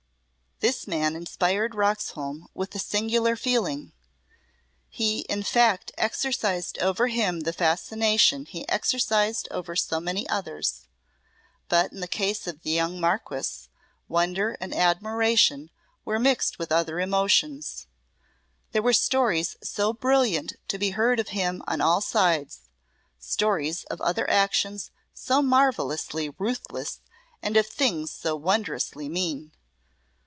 This man inspired Roxholm with a singular feeling; he in fact exercised over him the fascination he exercised over so many others, but in the case of the young Marquess, wonder and admiration were mixed with other emotions. There were stories so brilliant to be heard of him on all sides, stories of other actions so marvellously ruthless and of things so wondrously mean.